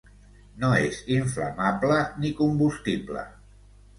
No és inflamable ni combustible.